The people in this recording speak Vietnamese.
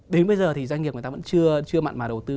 đến bây giờ thì doanh nghiệp người ta vẫn chưa mặn mà đầu tư